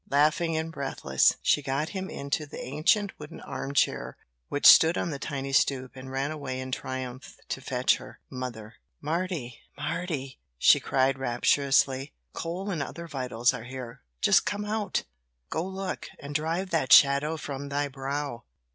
Laughing and breathless, she got him into the ancient wooden arm chair which stood on the tiny stoop, and ran away in triumph to fetch her mother. "Mardy, Mardy," she cried, rapturously, "coal and other vitals are here just come out! Go look, and 'drive that shadow from thy brow!'"